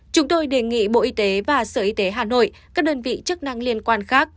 chúng tôi đề nghị bộ y tế và sở y tế hà nội các đơn vị chức năng liên quan khác